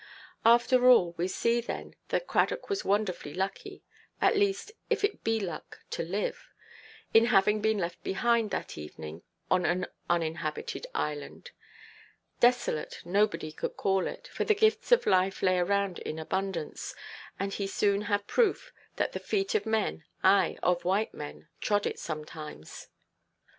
After all, we see then that Cradock was wonderfully lucky—at least, if it be luck to live—in having been left behind, that evening, on an uninhabited island. "Desolate" nobody could call it, for the gifts of life lay around in abundance, and he soon had proof that the feet of men, ay, of white men, trod it sometimes.